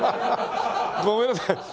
ごめんなさい。